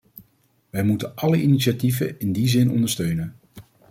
Wij moeten alle initiatieven in die zin ondersteunen.